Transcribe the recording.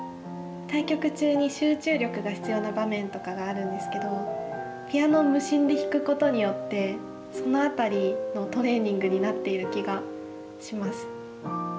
対局中に集中力が必要な場面とかがあるんですけどピアノを無心で弾くことによってその辺りのトレーニングになっている気がします。